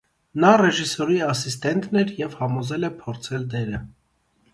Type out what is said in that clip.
Նա ռեժիսորի ասիստենտն էր և համոզել է փորձել դերը։